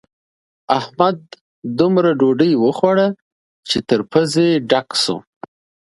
احمد دومره ډوډۍ وخوړه چې تر پزې ډک شو.